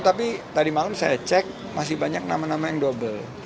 tapi tadi malam saya cek masih banyak nama nama yang double